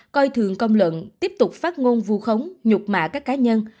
coi thường công luận tiếp tục phát ngôn vu khống nhục mạ các cá nhân